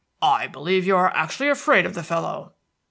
"I believe you are actually afraid of the fellow."